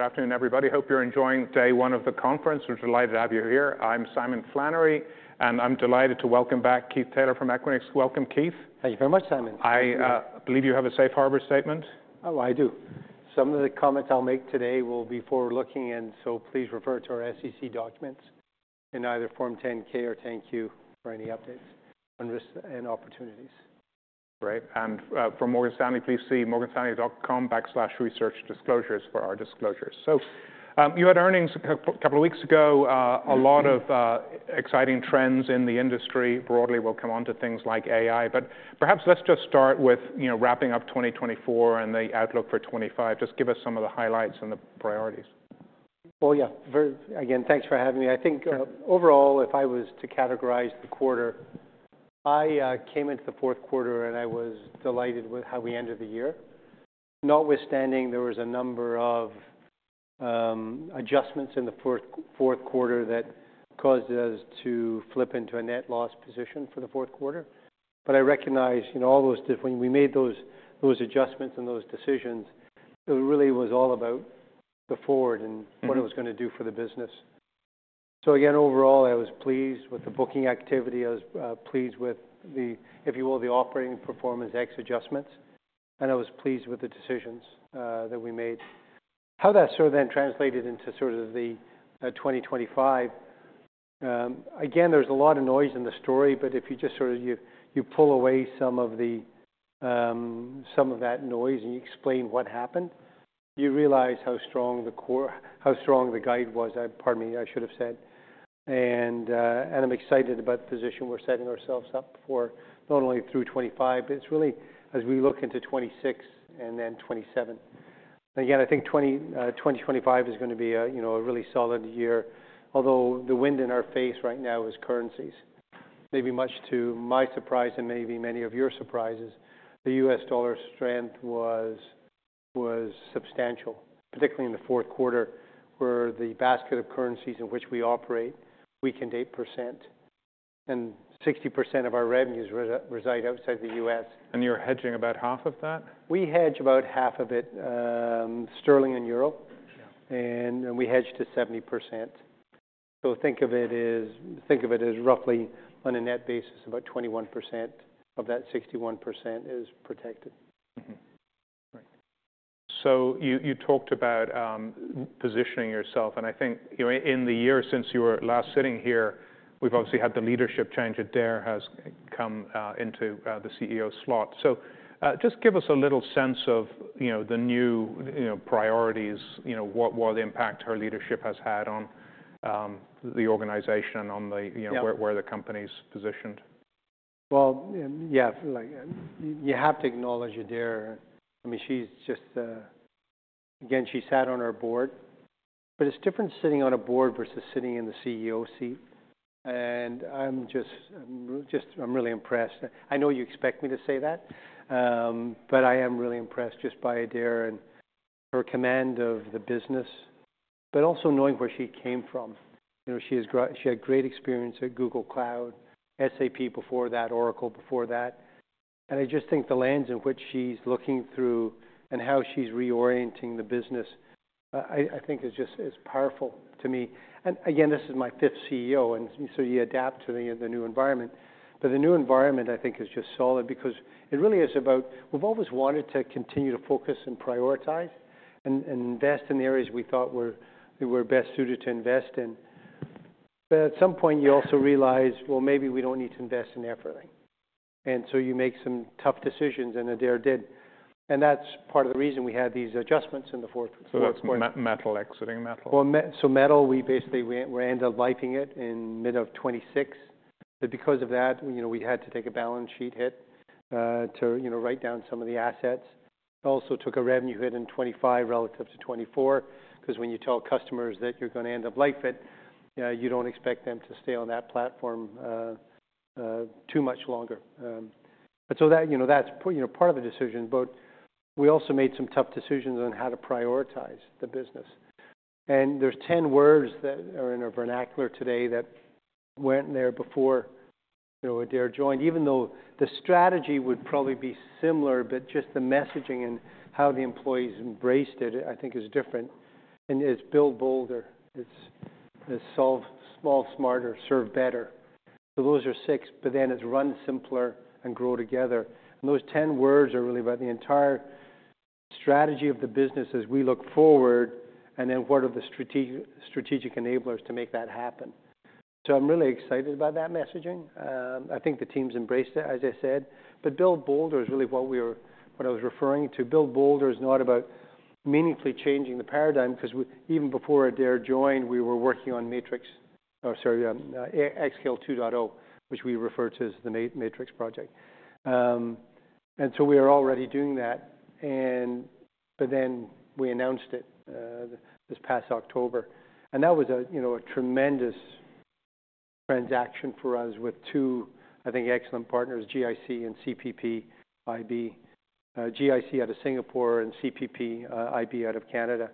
Good afternoon, everybody. Hope you're enjoying day one of the conference. We're delighted to have you here. I'm Simon Flannery, and I'm delighted to welcome back Keith Taylor from Equinix. Welcome, Keith. Thank you very much, Simon. I believe you have a safe harbor statement. Oh, I do. Some of the comments I'll make today will be forward-looking, and so please refer to our SEC documents in either Form 10-K or 10-Q for any updates and opportunities. Great, and for Morgan Stanley, please see morganstanley.com/researchdisclosures for our disclosures, so you had earnings a couple of weeks ago. A lot of exciting trends in the industry broadly will come on to things like AI, but perhaps let's just start with wrapping up 2024 and the outlook for 2025. Just give us some of the highlights and the priorities. Well, yeah. Again, thanks for having me. I think overall, if I was to categorize the quarter, I came into the fourth quarter and I was delighted with how we ended the year. Notwithstanding, there were a number of adjustments in the fourth quarter that caused us to flip into a net loss position for the fourth quarter. But I recognize all those different, we made those adjustments and those decisions. It really was all about the forward and what it was going to do for the business. So again, overall, I was pleased with the booking activity. I was pleased with, if you will, the operating performance ex adjustments. And I was pleased with the decisions that we made. How that sort of then translated into sort of the 2025, again, there was a lot of noise in the story, but if you just sort of pull away some of that noise and you explain what happened, you realize how strong the guide was, pardon me, I should have said, and I'm excited about the position we're setting ourselves up for, not only through 2025, but it's really as we look into 2026 and then 2027. Again, I think 2025 is going to be a really solid year, although the wind in our face right now is currencies. Maybe much to my surprise and maybe many of your surprises, the U.S. dollar strength was substantial, particularly in the fourth quarter, where the basket of currencies in which we operate weakened 8%, and 60% of our revenues reside outside the U.S. You're hedging about half of that? We hedge about half of it, sterling and euro, and we hedged to 70%, so think of it as roughly on a net basis, about 21% of that 61% is protected. So you talked about positioning yourself. And I think in the year since you were last sitting here, we've obviously had the leadership change. Adaire has come into the CEO slot. So just give us a little sense of the new priorities, what impact her leadership has had on the organization and where the company's positioned. Yeah, you have to acknowledge Adaire. I mean, she's just, again, she sat on our board. But it's different sitting on a board versus sitting in the CEO seat. And I'm really impressed. I know you expect me to say that, but I am really impressed just by Adaire and her command of the business, but also knowing where she came from. She had great experience at Google Cloud, SAP before that, Oracle before that. And I just think the lens in which she's looking through and how she's reorienting the business, I think is powerful to me. And again, this is my fifth CEO, and so you adapt to the new environment. But the new environment, I think, is just solid because it really is about we've always wanted to continue to focus and prioritize and invest in the areas we thought were best suited to invest in. But at some point, you also realize, well, maybe we don't need to invest in everything. And so you make some tough decisions, and Adaire did. And that's part of the reason we had these adjustments in the fourth quarter. So, Metal, exiting Metal. So, Metal, we basically ended up writing it off in mid-2026. But because of that, we had to take a balance sheet hit to write down some of the assets. Also took a revenue hit in 2025 relative to 2024 because when you tell customers that you're going to end-of-life it, you don't expect them to stay on that platform too much longer. And so that's part of the decision, but we also made some tough decisions on how to prioritize the business. And there's 10 words that are in a vernacular today that weren't there before Adaire joined, even though the strategy would probably be similar, but just the messaging and how the employees embraced it, I think, is different. And it's Build Bolder. It's Solve Smarter, Serve Better. So those are six. But then it's Run Simpler and Grow Together. And those 10 words are really about the entire strategy of the business as we look forward and then what are the strategic enablers to make that happen. So I'm really excited about that messaging. I think the teams embraced it, as I said. But Build Bolder is really what I was referring to. Build Bolder is not about meaningfully changing the paradigm because even before Adaire joined, we were working on Matrix or sorry, xScale 2.0, which we refer to as the Matrix project. And so we are already doing that. But then we announced it this past October. And that was a tremendous transaction for us with two, I think, excellent partners, GIC and CPPIB. GIC out of Singapore and CPPIB out of Canada.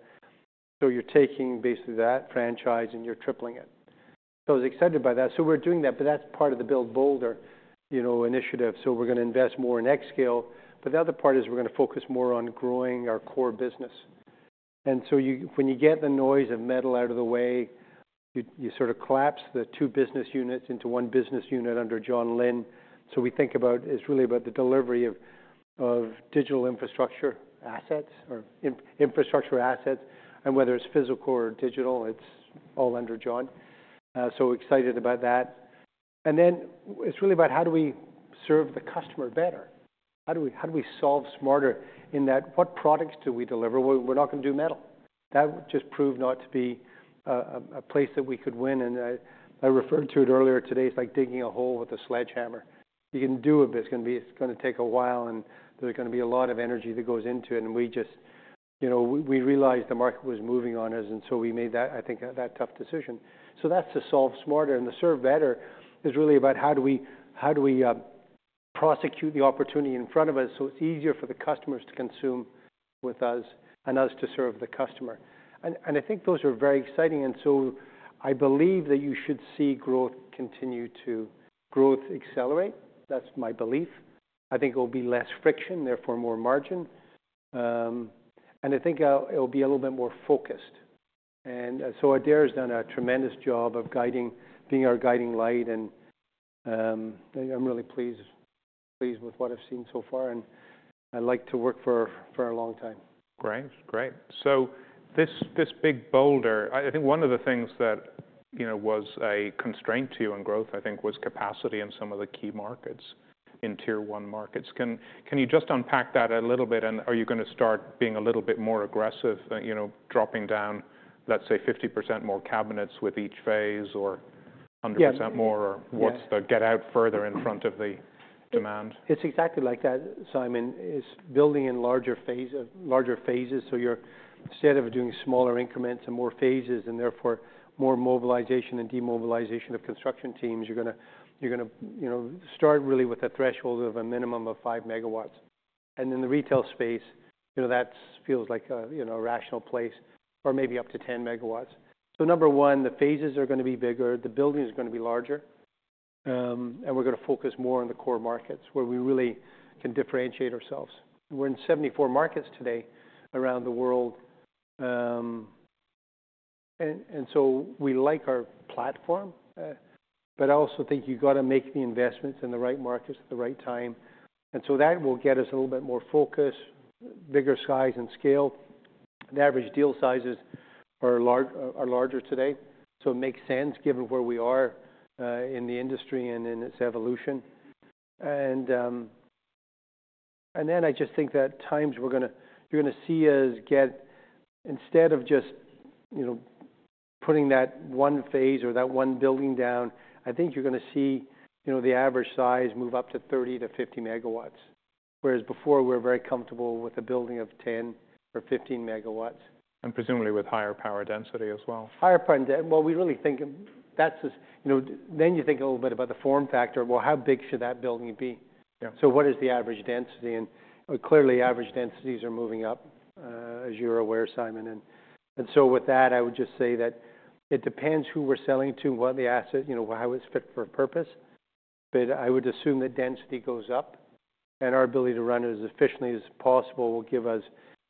So you're taking basically that franchise and you're tripling it. So I was excited by that. So we're doing that, but that's part of the Build Bolder initiative. So we're going to invest more in xScale. But the other part is we're going to focus more on growing our core business. And so when you get the noise of Metal out of the way, you sort of collapse the two business units into one business unit under John Lin. So we think about it's really about the delivery of digital infrastructure assets or infrastructure assets. And whether it's physical or digital, it's all under John. So excited about that. And then it's really about how do we serve the customer better? How do we solve smarter in that? What products do we deliver? We're not going to do Metal. That just proved not to be a place that we could win. And I referred to it earlier today. It's like digging a hole with a sledgehammer. You can do it, but it's going to take a while, and there's going to be a lot of energy that goes into it. And we realized the market was moving on us, and so we made, I think, that tough decision. So that's to solve smarter. And the Serve Better is really about how do we prosecute the opportunity in front of us so it's easier for the customers to consume with us and us to serve the customer. And I think those are very exciting. And so I believe that you should see growth continue to growth accelerate. That's my belief. I think it will be less friction, therefore more margin. And I think it will be a little bit more focused. And so Adaire has done a tremendous job of being our guiding light. And I'm really pleased with what I've seen so far. I'd like to work for a long time. Great. Great. So this big boulder, I think, one of the things that was a constraint to you in growth, I think, was capacity in some of the key markets, in Tier 1 markets. Can you just unpack that a little bit? And are you going to start being a little bit more aggressive, dropping down, let's say, 50% more cabinets with each phase or 100% more? Or what's the way to get out further in front of the demand? It's exactly like that. Simon, it's building in larger phases. So instead of doing smaller increments and more phases and therefore more mobilization and demobilization of construction teams, you're going to start really with a threshold of a minimum of five megawatts. And in the retail space, that feels like a rational place or maybe up to 10 megawatts. So number one, the phases are going to be bigger. The building is going to be larger. And we're going to focus more on the core markets where we really can differentiate ourselves. We're in 74 markets today around the world. And so we like our platform, but I also think you've got to make the investments in the right markets at the right time. And so that will get us a little bit more focus, bigger size and scale. The average deal sizes are larger today. So it makes sense given where we are in the industry and in its evolution. And then I just think that you're going to see us get instead of just putting that one phase or that one building down. I think you're going to see the average size move up to 30-50 megawatts. Whereas before, we were very comfortable with a building of 10 or 15 megawatts. Presumably with higher power density as well. Higher power density. Well, we really think that's. Then you think a little bit about the form factor. Well, how big should that building be? So what is the average density? And clearly, average densities are moving up, as you're aware, Simon. And so with that, I would just say that it depends who we're selling to, what the asset, how it's fit for purpose. But I would assume that density goes up, and our ability to run it as efficiently as possible will give us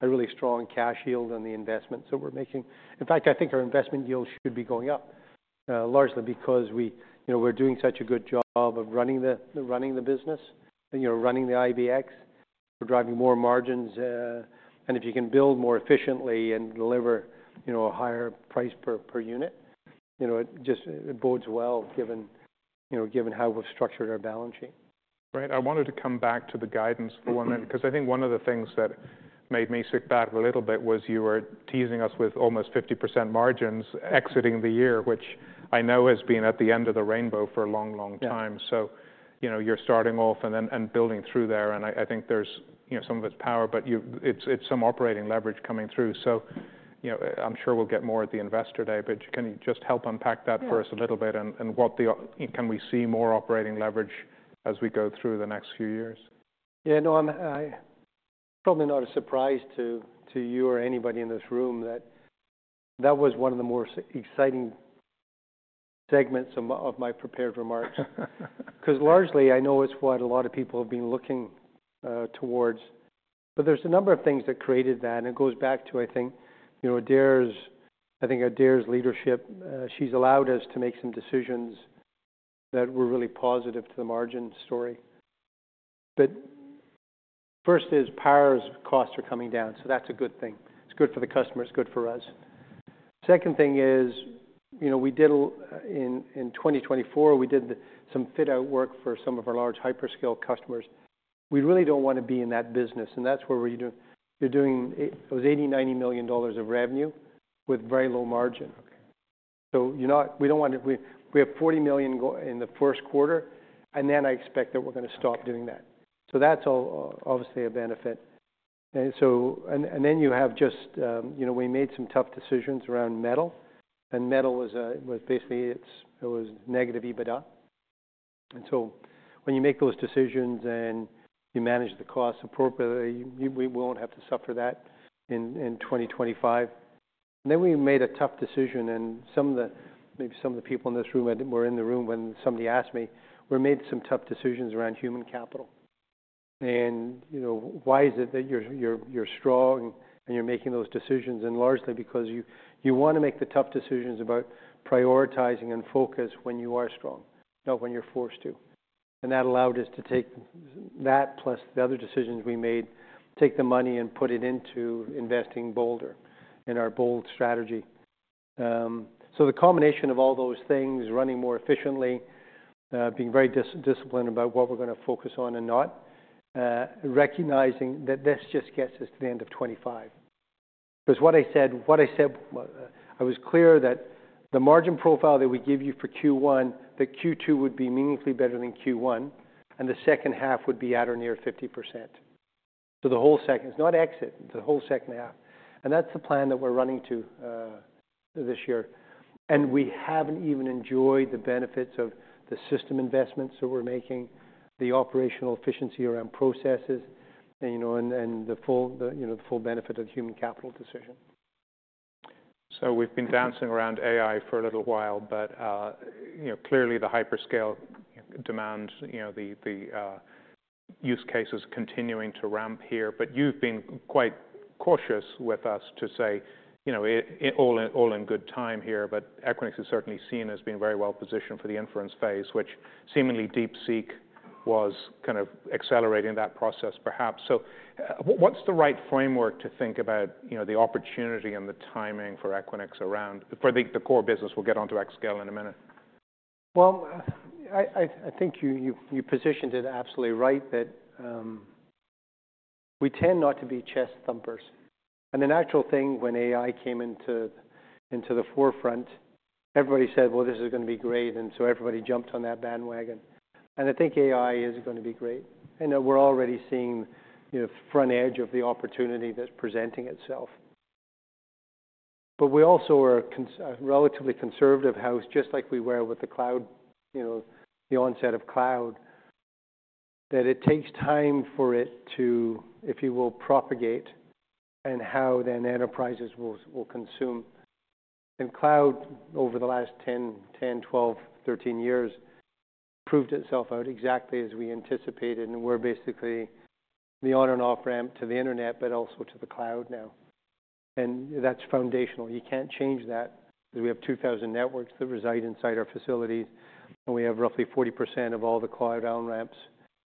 a really strong cash yield on the investments that we're making. In fact, I think our investment yield should be going up, largely because we're doing such a good job of running the business, running the IBX. We're driving more margins. If you can build more efficiently and deliver a higher price per unit, it bodes well given how we've structured our balance sheet. Right. I wanted to come back to the guidance for one minute because I think one of the things that made me sit back a little bit was you were teasing us with almost 50% margins exiting the year, which I know has been at the end of the rainbow for a long, long time. So you're starting off and building through there. And I think there's some of its power, but it's some operating leverage coming through. So I'm sure we'll get more at the investor day, but can you just help unpack that for us a little bit? And can we see more operating leverage as we go through the next few years? Yeah. No, probably not a surprise to you or anybody in this room that that was one of the most exciting segments of my prepared remarks. Because largely, I know it's what a lot of people have been looking towards. But there's a number of things that created that. And it goes back to, I think, Adaire's leadership. She's allowed us to make some decisions that were really positive to the margin story. But first, power costs are coming down. So that's a good thing. It's good for the customer. It's good for us. Second thing is, in 2024, we did some fit-out work for some of our large hyperscale customers. We really don't want to be in that business. And that's where we're doing it was $80-$90 million of revenue with very low margin. So, we don't want to. We have $40 million in the first quarter. And then I expect that we're going to stop doing that. So that's obviously a benefit. And then you have. Just, we made some tough decisions around Metal. And Metal was basically negative EBITDA. And so when you make those decisions and you manage the cost appropriately, we won't have to suffer that in 2025. And then we made a tough decision. And maybe some of the people in this room were in the room when somebody asked me. We made some tough decisions around human capital. And why is it that you're strong and you're making those decisions? And largely because you want to make the tough decisions about prioritizing and focus when you are strong, not when you're forced to. And that allowed us to take that plus the other decisions we made, take the money and put it into investing bolder in our bold strategy. So the combination of all those things, running more efficiently, being very disciplined about what we're going to focus on and not, recognizing that this just gets us to the end of 2025. Because what I said, I was clear that the margin profile that we give you for Q1, that Q2 would be meaningfully better than Q1, and the second half would be at or near 50%. So the whole second, not exit, the whole second half. And that's the plan that we're running to this year. And we haven't even enjoyed the benefits of the system investments that we're making, the operational efficiency around processes, and the full benefit of the human capital decision. So we've been dancing around AI for a little while, but clearly the hyperscale demand, the use cases continuing to ramp here. But you've been quite cautious with us to say all in good time here. But Equinix is certainly seen as being very well positioned for the inference phase, which seemingly DeepSeek was kind of accelerating that process, perhaps. So what's the right framework to think about the opportunity and the timing for Equinix around for the core business? We'll get onto xScale in a minute. I think you positioned it absolutely right that we tend not to be chest thumpers. The natural thing when AI came into the forefront, everybody said, well, this is going to be great. Everybody jumped on that bandwagon. I think AI is going to be great. We're already seeing the front edge of the opportunity that's presenting itself. We also are a relatively conservative house, just like we were with the cloud, the onset of cloud, that it takes time for it to, if you will, propagate and how then enterprises will consume. Cloud over the last 10, 12, 13 years proved itself out exactly as we anticipated. We're basically the on and off ramp to the internet, but also to the cloud now. That's foundational. You can't change that because we have 2,000 networks that reside inside our facilities. And we have roughly 40% of all the cloud on-ramps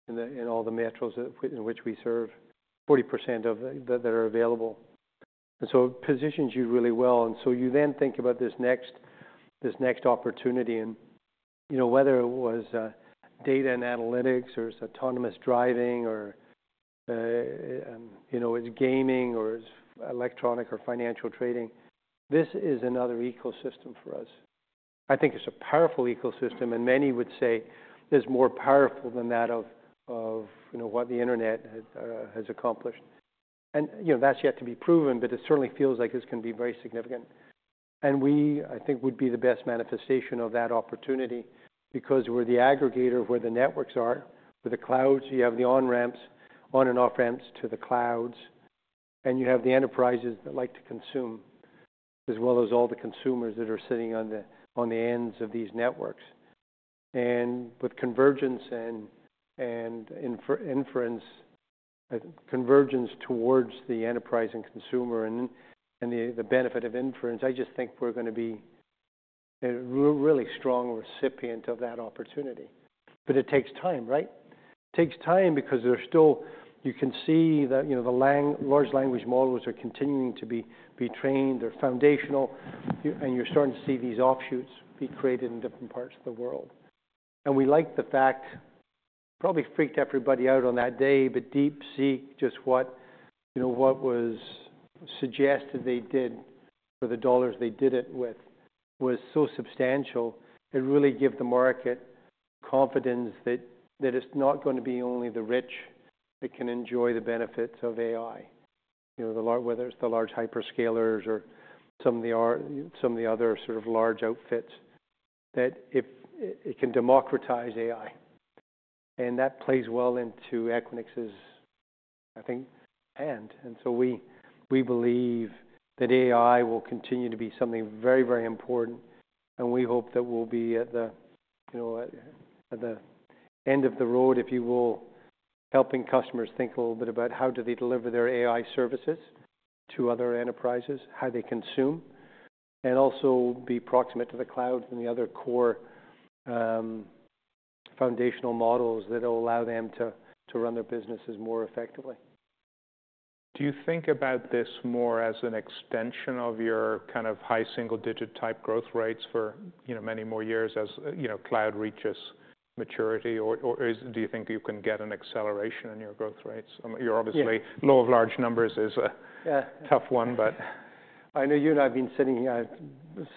and all the metros in which we serve, 40% of that are available. And so it positions you really well. And so you then think about this next opportunity. And whether it was data and analytics or autonomous driving or it's gaming or it's electronic or financial trading, this is another ecosystem for us. I think it's a powerful ecosystem. And many would say it's more powerful than that of what the internet has accomplished. And that's yet to be proven, but it certainly feels like it's going to be very significant. And we, I think, would be the best manifestation of that opportunity because we're the aggregator where the networks are. With the clouds, you have the on-ramps, on and off ramps to the clouds. You have the enterprises that like to consume as well as all the consumers that are sitting on the ends of these networks. And with convergence and inference, convergence towards the enterprise and consumer and the benefit of inference, I just think we're going to be a really strong recipient of that opportunity. But it takes time, right? It takes time because there's still you can see that the large language models are continuing to be trained. They're foundational. And you're starting to see these offshoots be created in different parts of the world. And we like the fact probably freaked everybody out on that day. But DeepSeek, just what was suggested they did for the dollars they did it with was so substantial. It really gave the market confidence that it's not going to be only the rich that can enjoy the benefits of AI, whether it's the large hyperscalers or some of the other sort of large outfits, that it can democratize AI. And that plays well into Equinix's, I think. And so we believe that AI will continue to be something very, very important. And we hope that we'll be at the end of the road, if you will, helping customers think a little bit about how do they deliver their AI services to other enterprises, how they consume, and also be proximate to the cloud and the other core foundational models that will allow them to run their businesses more effectively. Do you think about this more as an extension of your kind of high single-digit type growth rates for many more years as cloud reaches maturity? Or do you think you can get an acceleration in your growth rates? I mean, you're obviously low double-digit numbers is a tough one, but. I know you and I have been sitting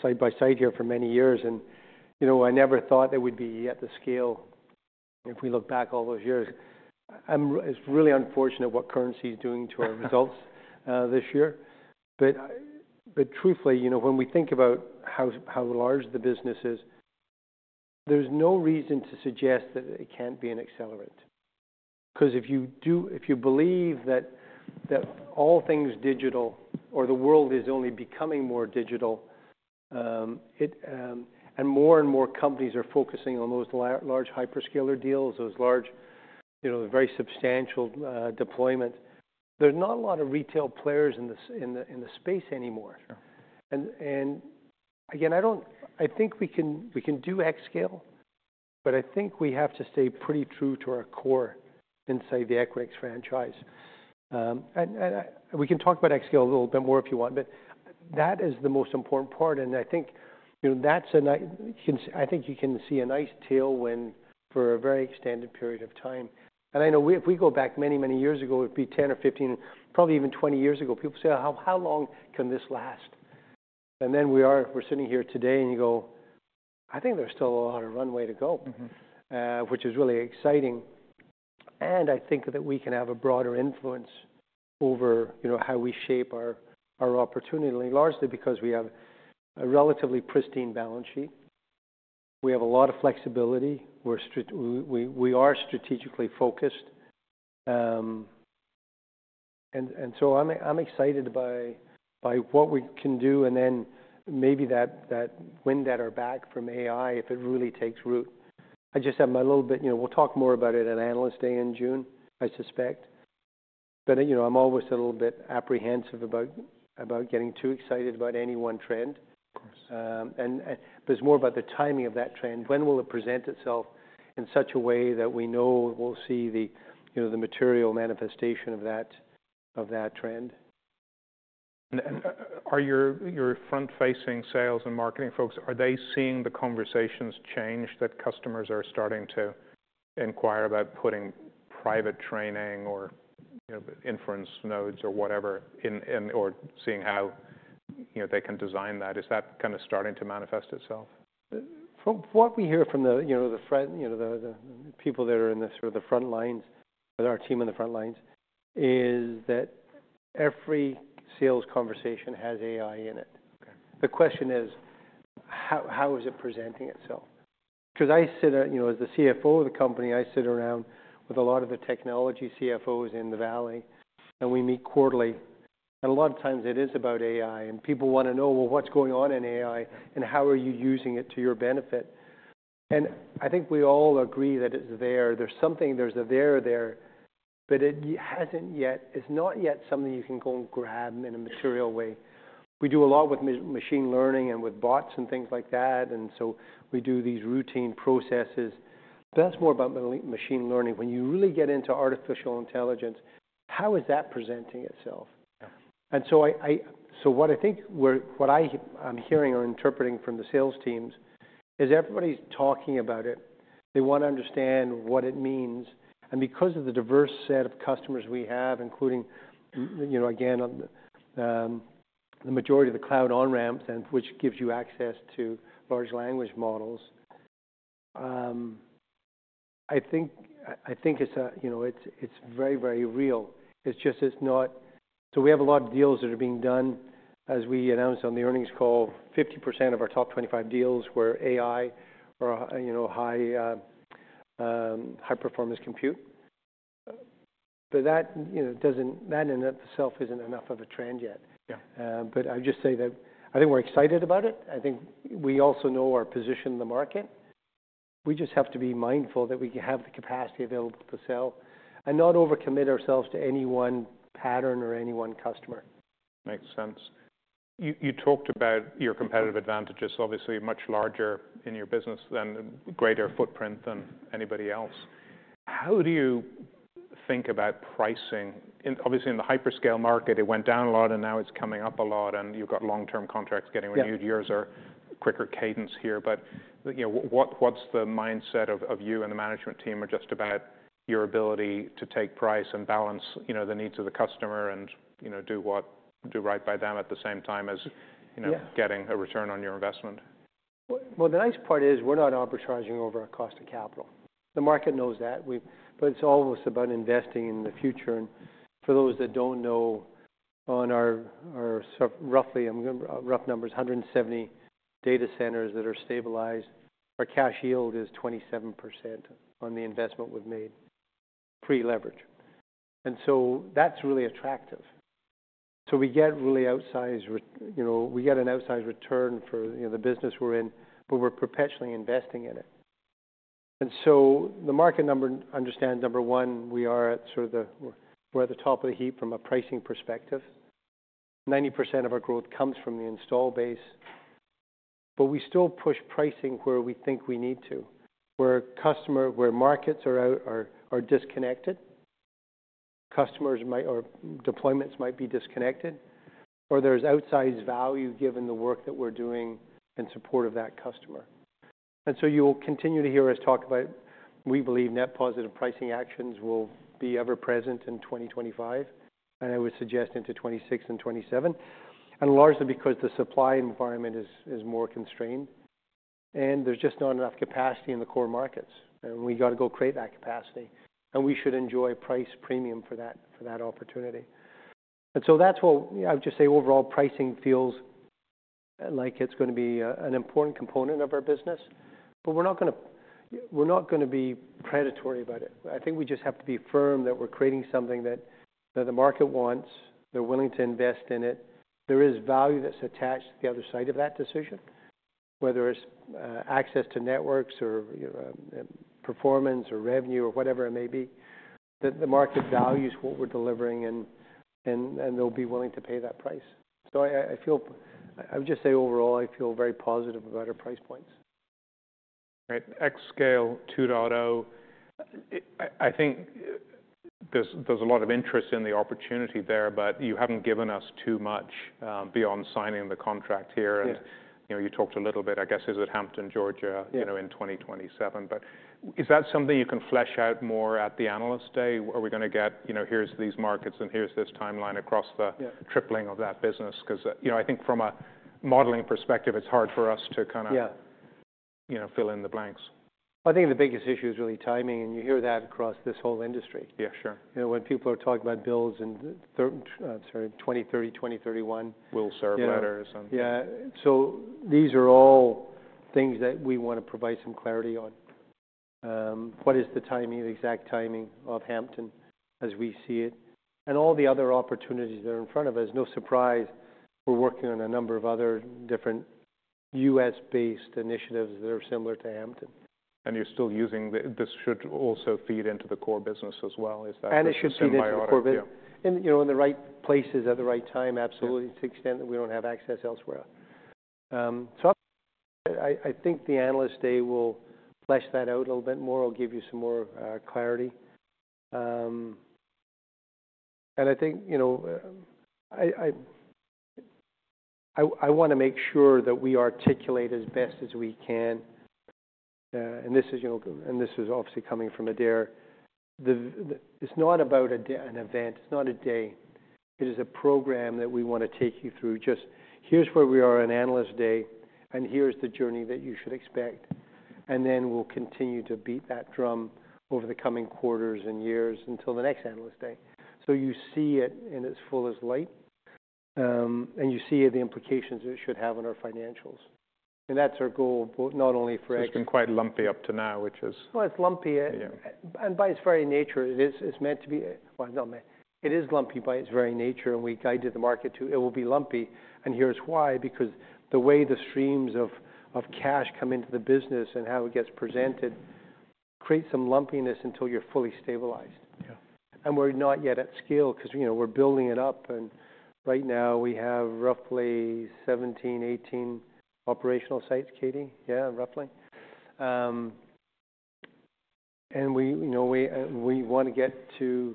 side by side here for many years, and I never thought that we'd be at the scale if we look back all those years. It's really unfortunate what currency is doing to our results this year, but truthfully, when we think about how large the business is, there's no reason to suggest that it can't be an accelerant. Because if you believe that all things digital or the world is only becoming more digital and more and more companies are focusing on those large hyperscaler deals, those large very substantial deployments, there's not a lot of retail players in the space anymore, and again, I think we can do xScale, but I think we have to stay pretty true to our core inside the Equinix franchise. And we can talk about xScale a little bit more if you want, but that is the most important part. And I think that's. I think you can see a nice tailwind for a very extended period of time. And I know if we go back many, many years ago, it'd be 10 or 15, probably even 20 years ago, people say, how long can this last? And then we're sitting here today and you go, I think there's still a lot of runway to go, which is really exciting. And I think that we can have a broader influence over how we shape our opportunity, largely because we have a relatively pristine balance sheet. We have a lot of flexibility. We are strategically focused. And so I'm excited by what we can do. And then maybe that wind at our back from AI, if it really takes root. I just have my little bit. We'll talk more about it at Analyst Day in June, I suspect. But I'm always a little bit apprehensive about getting too excited about any one trend. But it's more about the timing of that trend. When will it present itself in such a way that we know we'll see the material manifestation of that trend? Your front-facing sales and marketing folks, are they seeing the conversations change that customers are starting to inquire about putting private training or inference nodes or whatever or seeing how they can design that? Is that kind of starting to manifest itself? From what we hear from the people that are in the sort of front lines, our team in the front lines, is that every sales conversation has AI in it. The question is, how is it presenting itself? Because I sit as the CFO of the company, I sit around with a lot of the technology CFOs in the Valley. And we meet quarterly. And a lot of times it is about AI. And people want to know, well, what's going on in AI and how are you using it to your benefit? And I think we all agree that it's there. There's something, there's a there there. But it hasn't yet. It's not yet something you can go and grab in a material way. We do a lot with machine learning and with bots and things like that. And so we do these routine processes. But that's more about machine learning. When you really get into artificial intelligence, how is that presenting itself? And so what I think what I'm hearing or interpreting from the sales teams is everybody's talking about it. They want to understand what it means. And because of the diverse set of customers we have, including, again, the majority of the cloud on-ramps, which gives you access to large language models, I think it's very, very real. It's just it's not so we have a lot of deals that are being done. As we announced on the earnings call, 50% of our top 25 deals were AI or high-performance compute. But that in itself isn't enough of a trend yet. But I would just say that I think we're excited about it. I think we also know our position in the market. We just have to be mindful that we can have the capacity available to sell and not overcommit ourselves to any one pattern or any one customer. Makes sense. You talked about your competitive advantages, obviously much larger in your business and greater footprint than anybody else. How do you think about pricing? Obviously, in the hyperscale market, it went down a lot, and now it's coming up a lot. And you've got long-term contracts getting renewed. Yours are quicker cadence here. But what's the mindset of you and the management team just about your ability to take price and balance the needs of the customer and do right by them at the same time as getting a return on your investment? The nice part is we're not arbitraging over our cost of capital. The market knows that, but it's always about investing in the future, and for those that don't know, on our rough numbers, 170 data centers that are stabilized, our cash yield is 27% on the investment we've made pre-leverage, and so that's really attractive. We get an outsized return for the business we're in, but we're perpetually investing in it, and so the market understands. Number one, we are at sort of the top of the heap from a pricing perspective. 90% of our growth comes from the installed base, but we still push pricing where we think we need to, where customers where markets are disconnected, customers' deployments might be disconnected, or there's outsized value given the work that we're doing in support of that customer. And so you will continue to hear us talk about we believe net positive pricing actions will be ever present in 2025. And I would suggest into 2026 and 2027, largely because the supply environment is more constrained. And there's just not enough capacity in the core markets. And we've got to go create that capacity. And we should enjoy price premium for that opportunity. And so that's what I would just say overall pricing feels like it's going to be an important component of our business. But we're not going to be predatory about it. I think we just have to be firm that we're creating something that the market wants. They're willing to invest in it. There is value that's attached to the other side of that decision, whether it's access to networks or performance or revenue or whatever it may be, that the market values what we're delivering and they'll be willing to pay that price. So I feel I would just say overall, I feel very positive about our price points. Right. xScale 2.0, I think there's a lot of interest in the opportunity there, but you haven't given us too much beyond signing the contract here, and you talked a little bit, I guess, it's at Hampton, Georgia in 2027, but is that something you can flesh out more at the Analyst Day? Are we going to get, here's these markets and here's this timeline across the tripling of that business? Because I think from a modeling perspective, it's hard for us to kind of fill in the blanks. I think the biggest issue is really timing, and you hear that across this whole industry. Yeah, sure. When people are talking about builds in 2030, 2031. will-serve letters and. Yeah. So these are all things that we want to provide some clarity on. What is the timing, the exact timing of Hampton as we see it? And all the other opportunities that are in front of us, no surprise, we're working on a number of other different U.S.-based initiatives that are similar to Hampton. And you're still using this should also feed into the core business as well. Is that? It should feed into the core business. Priority. Yeah. In the right places at the right time, absolutely, to the extent that we don't have access elsewhere. So I think the Analyst Day will flesh that out a little bit more. It'll give you some more clarity. And I think I want to make sure that we articulate as best as we can. And this is obviously coming from Adaire. It's not about an event. It's not a day. It is a program that we want to take you through. Just here's where we are on Analyst Day. And here's the journey that you should expect. And then we'll continue to beat that drum over the coming quarters and years until the next Analyst Day. So you see it in its fullest light. And you see the implications it should have on our financials. And that's our goal, not only for. It's been quite lumpy up to now, which is. It's lumpy. And by its very nature, it is meant to be well, not meant. It is lumpy by its very nature. And we guided the market to it will be lumpy. And here's why. Because the way the streams of cash come into the business and how it gets presented creates some lumpiness until you're fully stabilized. And we're not yet at scale because we're building it up. And right now, we have roughly 17, 18 operational sites, Katie, yeah, roughly. And we want to get to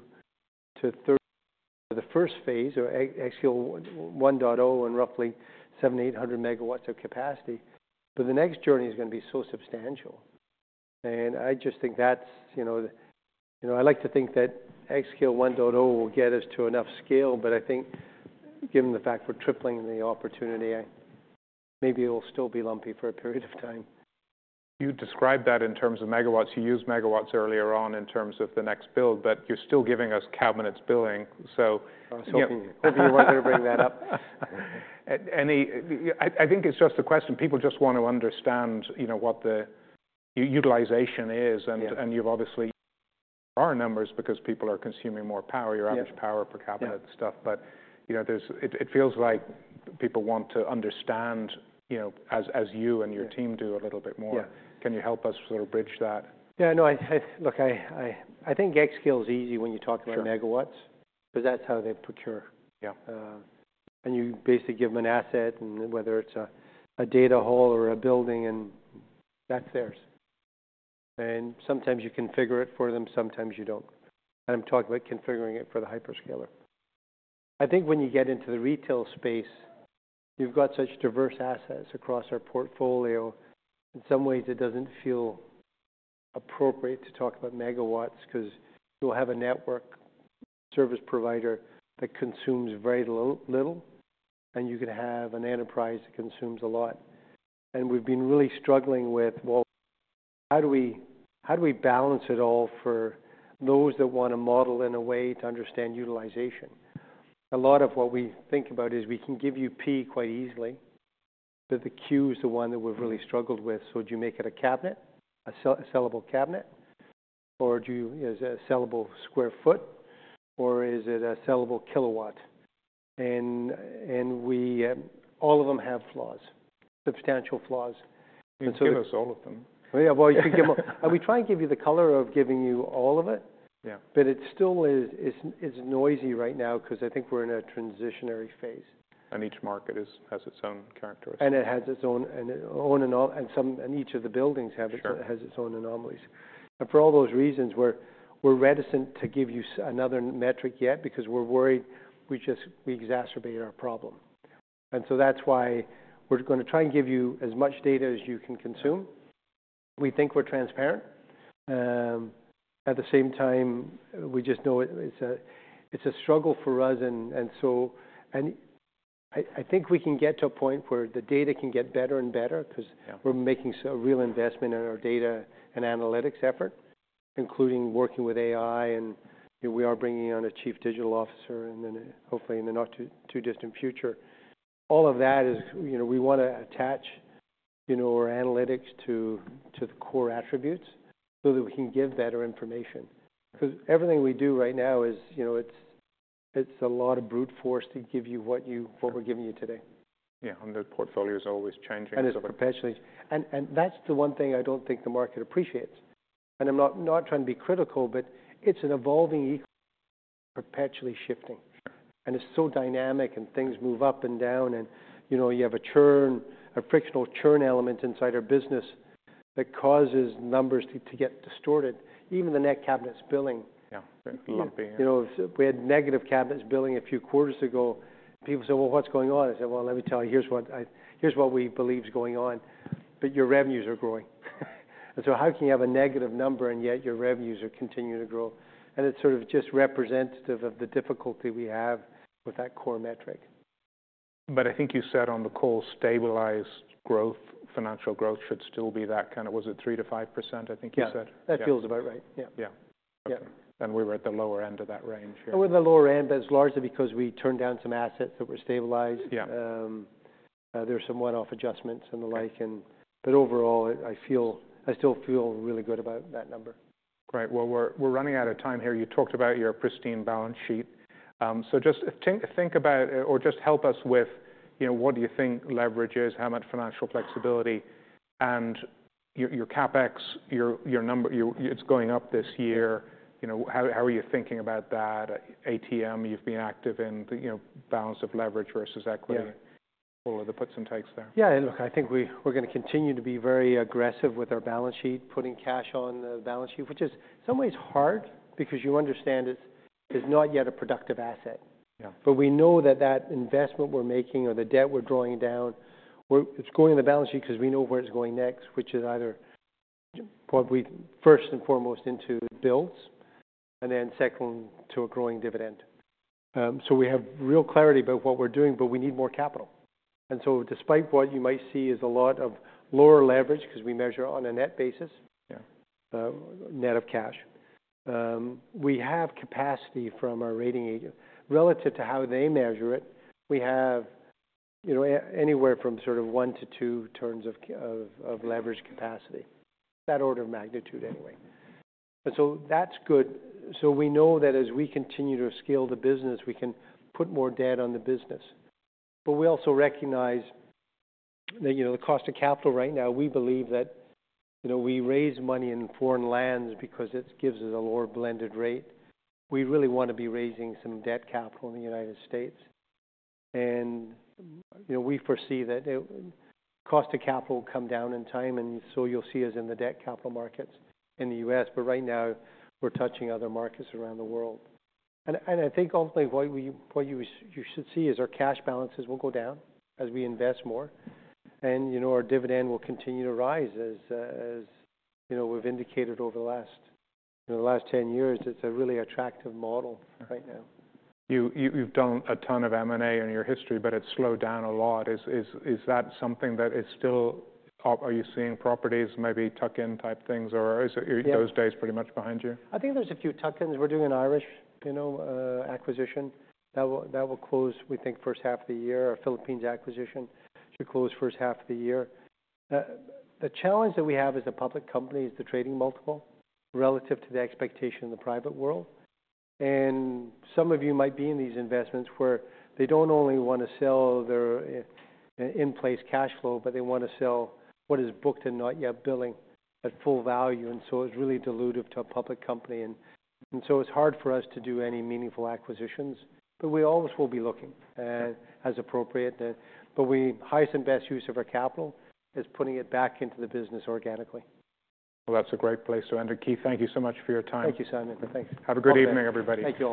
the first phase or xScale 1.0 and roughly 7,800 megawatts of capacity. But the next journey is going to be so substantial. And I just think that's I like to think that xScale 1.0 will get us to enough scale. But I think given the fact we're tripling the opportunity, maybe it will still be lumpy for a period of time. You described that in terms of megawatts. You used megawatts earlier on in terms of the next build. But you're still giving us cabinets billing. So. So hopefully you wanted to bring that up. I think it's just a question. People just want to understand what the utilization is. And you've obviously there are numbers because people are consuming more power, your average power per cabinet stuff. But it feels like people want to understand, as you and your team do a little bit more. Can you help us sort of bridge that? Yeah. No, look, I think xScale is easy when you talk about megawatts because that's how they procure. And you basically give them an asset, whether it's a data hall or a building, and that's theirs. And sometimes you configure it for them. Sometimes you don't. And I'm talking about configuring it for the hyperscaler. I think when you get into the retail space, you've got such diverse assets across our portfolio. In some ways, it doesn't feel appropriate to talk about megawatts because you'll have a network service provider that consumes very little. And you can have an enterprise that consumes a lot. And we've been really struggling with, well, how do we balance it all for those that want to model in a way to understand utilization? A lot of what we think about is we can give you P quite easily. But the Q is the one that we've really struggled with. So do you make it a cabinet, a sellable cabinet? Or is it a sellable square foot? Or is it a sellable kW? And all of them have flaws, substantial flaws. You can give us all of them. Yeah, well, you can give them and we try and give you the color of giving you all of it. But it still is noisy right now because I think we're in a transitionary phase. Each market has its own characteristic. And it has its own, and each of the buildings has its own anomalies. And for all those reasons, we're reticent to give you another metric yet because we're worried we exacerbate our problem. And so that's why we're going to try and give you as much data as you can consume. We think we're transparent. At the same time, we just know it's a struggle for us. And so I think we can get to a point where the data can get better and better because we're making a real investment in our data and analytics effort, including working with AI. And we are bringing on a Chief Digital Officer hopefully in the not too distant future. All of that is we want to attach our analytics to the core attributes so that we can give better information. Because everything we do right now, it's a lot of brute force to give you what we're giving you today. Yeah, and the portfolio is always changing. And it's perpetually. And that's the one thing I don't think the market appreciates. And I'm not trying to be critical, but it's an evolving ecosystem perpetually shifting. And it's so dynamic. And things move up and down. And you have a churn, a frictional churn element inside our business that causes numbers to get distorted. Even the net cabinets billing. Yeah. Lumpy. We had negative net cabinets billing a few quarters ago. People say, well, what's going on? I said, well, let me tell you. Here's what we believe is going on, but your revenues are growing, and so how can you have a negative number and yet your revenues are continuing to grow, and it's sort of just representative of the difficulty we have with that core metric. But I think you said on the call, stabilized growth, financial growth should still be that kind of was it 3%-5%, I think you said. Yeah. That feels about right. Yeah. Yeah. Okay. And we were at the lower end of that range here. We're in the lower end, but it's largely because we turned down some assets that were stabilized. There were some one-off adjustments and the like. But overall, I still feel really good about that number. Great. Well, we're running out of time here. You talked about your pristine balance sheet. So just think about or just help us with what do you think leverage is, how much financial flexibility, and your CapEx, it's going up this year. How are you thinking about that? ATM, you've been active in balance of leverage versus equity. What were the puts and takes there? Yeah. Look, I think we're going to continue to be very aggressive with our balance sheet, putting cash on the balance sheet, which is in some ways hard because you understand it's not yet a productive asset. But we know that that investment we're making or the debt we're drawing down, it's going in the balance sheet because we know where it's going next, which is either probably first and foremost into builds and then second to a growing dividend. So we have real clarity about what we're doing, but we need more capital. And so despite what you might see is a lot of lower leverage because we measure on a net basis, net of cash, we have capacity from our rating agencies. Relative to how they measure it, we have anywhere from sort of one to two turns of leverage capacity, that order of magnitude anyway. And so that's good. So we know that as we continue to scale the business, we can put more debt on the business. But we also recognize the cost of capital right now. We believe that we raise money in foreign lands because it gives us a lower blended rate. We really want to be raising some debt capital in the United States. And we foresee that cost of capital will come down in time. And so you'll see us in the debt capital markets in the U.S. But right now, we're touching other markets around the world. And I think ultimately what you should see is our cash balances will go down as we invest more. And our dividend will continue to rise as we've indicated over the last 10 years. It's a really attractive model right now. You've done a ton of M&A in your history, but it's slowed down a lot. Is that something that is still? Are you seeing properties, maybe tuck-in type things? Or are those days pretty much behind you? I think there's a few tuck-ins. We're doing an Irish acquisition that will close, we think, first half of the year. A Philippines acquisition should close first half of the year. The challenge that we have as a public company is the trading multiple relative to the expectation in the private world. Some of you might be in these investments where they don't only want to sell their in-place cash flow, but they want to sell what is booked and not yet billing at full value. So it's really dilutive to a public company. It's hard for us to do any meaningful acquisitions. We always will be looking as appropriate. Our highest and best use of our capital is putting it back into the business organically. Well, that's a great place to end it. Keith, thank you so much for your time. Thank you, Simon. Thanks. Have a good evening, everybody. Thank you.